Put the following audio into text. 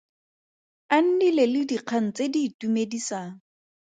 A nnile le dikgang tse di itumedisang.